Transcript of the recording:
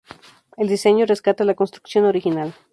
El diseño rescata la construcción original.